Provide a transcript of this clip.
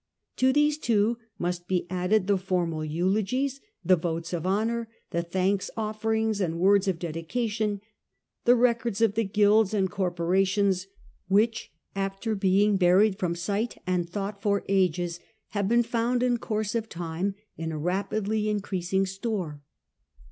To these, too, must be added the formal eulogies, the votes of honour, the thankofferings and words of dedi cation, the records of the guilds and corporations, which, after being buried from sight and thought for ages, have been found in course of time in a rapidly increasing Life in the Provmces, 185 stole.